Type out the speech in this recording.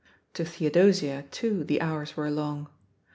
To Theodosia, too, the hours were long.